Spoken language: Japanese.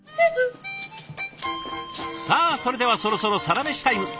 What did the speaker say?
さあそれではそろそろサラメシタイム。